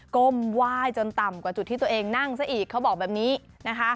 ก้มไหว้จนต่ำกว่าจุดที่ตัวเองนั่งซะอีกเขาบอกแบบนี้นะคะ